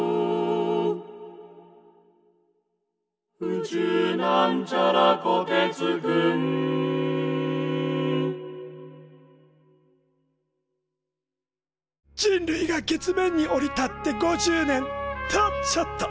「宇宙」人類が月面に降り立って５０年。とちょっと！